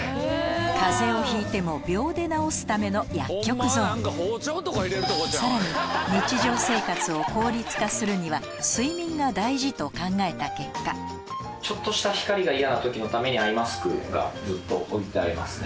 風邪をひいても秒で治すための薬局ゾーンさらに日常生活を効率化するには睡眠が大事と考えた結果アイマスクがずっと置いてありますね。